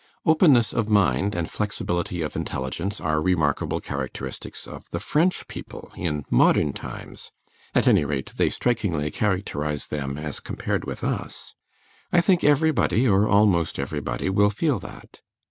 Openness of mind and flexibility of intelligence are remarkable characteristics of the French people in modern times, at any rate, they strikingly characterize them as compared with us; I think everybody, or almost everybody, will feel that.